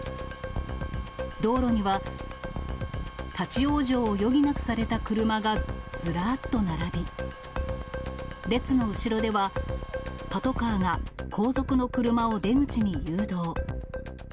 道路には、立往生を余儀なくされた車がずらっと並び、列の後ろではパトカーが後続の車を出口に誘導。